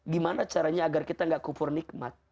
gimana caranya agar kita gak kufur nikmat